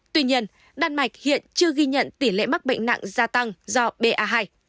tuy nhiên đan mạch hiện chưa ghi nhận tỉ lệ mắc bệnh nặng gia tăng do ba hai